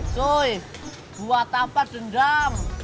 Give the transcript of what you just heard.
cuy buat apa dendam